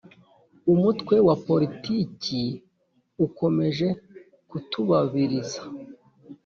Umutwe wa politiki ukomeje kutubabiriza